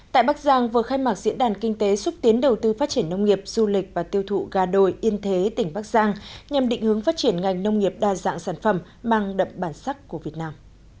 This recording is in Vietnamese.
tại bắc giang vừa khai mạc diễn đàn kinh tế xúc tiến đầu tư phát triển nông nghiệp du lịch và tiêu thụ gà đồi yên thế tỉnh bắc giang nhằm định hướng phát triển ngành nông nghiệp đa dạng sản phẩm mang đậm bản sắc của việt nam